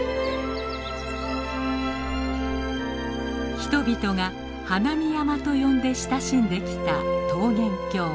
人々が花見山と呼んで親しんできた桃源郷